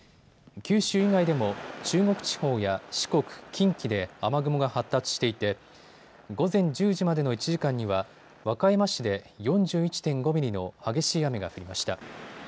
九州以外でも中国地方や四国、近畿で雨雲が発達していて午前１０時までの１時間には和歌山市で４１．５ミリの激しい雨が降りました。